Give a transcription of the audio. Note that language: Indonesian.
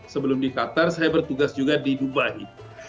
sebelum di qatar saya bertugas juga di dubai